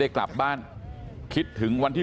กลับบ้านคิดถึงวันที่